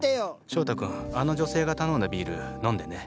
翔太君あの女性が頼んだビール飲んでね。